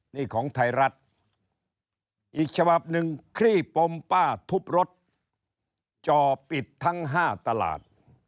นี่ของไทยรัฐอีกฉบับหนึ่งคลี่ปมป้าทุบรถจ่อปิดทั้ง๕ตลาด